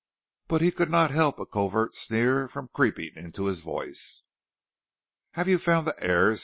But he could not help a covert sneer from creeping into his voice. "Have you found the heirs?"